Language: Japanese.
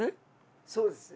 そうです。